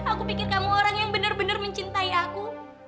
aku pikir kamu orang yang bener bener mencintai aku